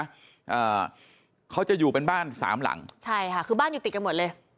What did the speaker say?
อ่าเขาจะอยู่เป็นบ้านสามหลังใช่ค่ะคือบ้านอยู่ติดกันหมดเลย